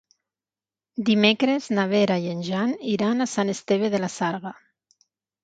Dimecres na Vera i en Jan iran a Sant Esteve de la Sarga.